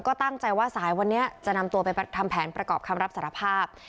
ก็ตั้งใจว่าสายวันนี้จะนำตัวไปทำแผนประกอบคำรับสารภาพ